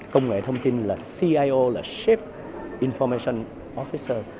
công nghệ thông tin là cio là chief information officer